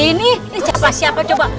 ini siapa siapa coba